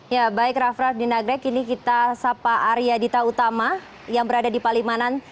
ya baik raff raff di nagrek ini kita sapa arya dita utama yang berada di palimanan